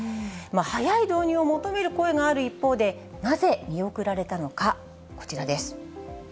早い導入を求める声がある一方で、なぜ見送られたのか、こちらです。